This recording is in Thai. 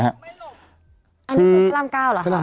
อันนี้พระรามเก้าหรอฮะ